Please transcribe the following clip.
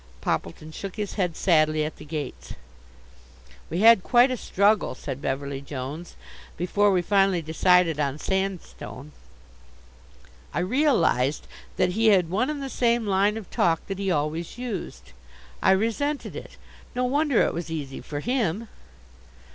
Poppleton shook his head sadly at the gates. "We had quite a struggle," said Beverly Jones, "before we finally decided on sandstone." I realized that he had one and the same line of talk that he always used. I resented it. No wonder it was easy for him.